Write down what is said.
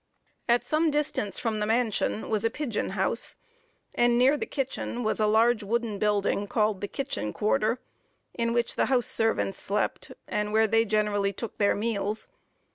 At some distance from the mansion was a pigeon house, and near the kitchen was a large wooden building, called the kitchen quarter, in which the house servants slept, and where they generally took their meals.